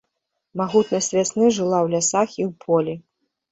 Магутнасць вясны жыла ў лясах і ў полі.